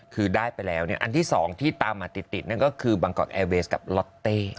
คือได้ไปแล้วอันที่๒ที่ตามมาติดนั่นก็คือบางกอกแอร์เวสกับล็อตเต้